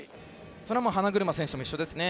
花車選手も一緒ですね。